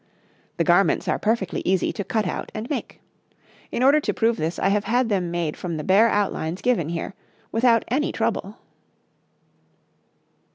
The garments are perfectly easy to cut out and make. In order to prove this I have had them made from the bare outlines given here, without any trouble.